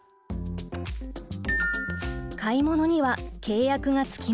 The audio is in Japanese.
買い物には契約がつきもの。